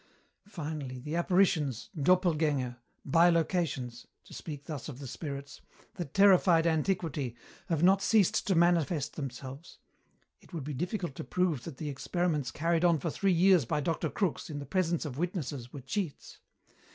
"Finally, the apparitions, doppelgänger, bilocations to speak thus of the spirits that terrified antiquity, have not ceased to manifest themselves. It would be difficult to prove that the experiments carried on for three years by Dr. Crookes in the presence of witnesses were cheats.